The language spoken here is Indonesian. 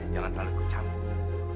jangan terlalu kecampur